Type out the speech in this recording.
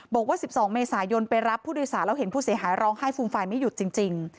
บอกว่า๑๒เมษายนไปรับผู้โดยสารแล้วเห็นผู้เสียหายร้องไห้ฟูมฟายไม่หยุดจริง